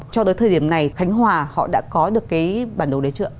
cho tới thời điểm này khánh hòa họ đã có được cái bản đồ đế trượng